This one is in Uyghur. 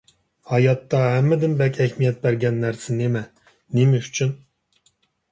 ھاياتتا ھەممىدىن بەك ئەھمىيەت بەرگەن نەرسە نېمە؟ نېمە ئۈچۈن؟